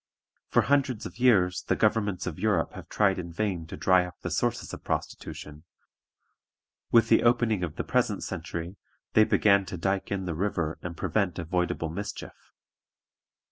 For hundreds of years the governments of Europe have tried in vain to dry up the sources of prostitution; with the opening of the present century they began to dike in the river and prevent avoidable mischief.